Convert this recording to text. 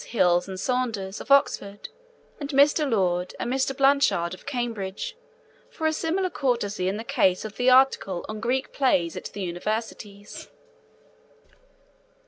Hills and Saunders, of Oxford, and Mr. Lord and Mr. Blanchard, of Cambridge, for a similar courtesy in the case of the article on Greek Plays at the Universities.